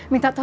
minta tau apa